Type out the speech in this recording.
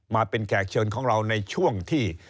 มาเป็นแขกเชิญของเราในช่วงที่